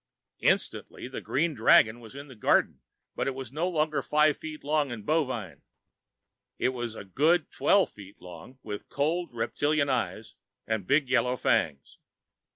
Instantly, the green dragon was in the garden. But it was no longer five feet long and bovine. It was a good twelve feet long, with cold reptilian eyes and big yellow fangs.